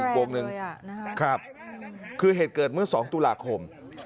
อีกกลุ่มหนึ่งนะฮะคือเหตุเกิดเมื่อสองตุลาคม